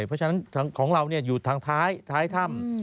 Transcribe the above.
เพราะฉะนั้นของเราเนี่ยอยู่ทางท้ายท้ายถ้ำ